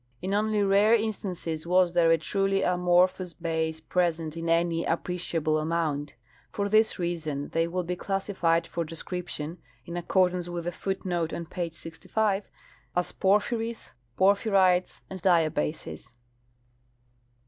In only rare instances was there a truly amorphous base present in any appreciable amount. For this reason they will be classified for description (in accordance with the foot note on page 65) as porphyries, porphyrites, and diabases.